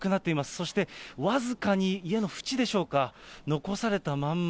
そして僅かに家の縁でしょうか、残されたまんま。